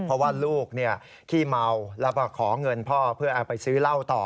เพราะว่าลูกขี้เมาแล้วก็ขอเงินพ่อเพื่อเอาไปซื้อเหล้าต่อ